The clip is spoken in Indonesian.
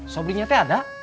sobrinya teh ada